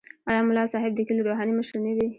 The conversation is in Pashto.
آیا ملا صاحب د کلي روحاني مشر نه وي؟